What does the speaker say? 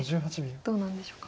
どうなんでしょうか。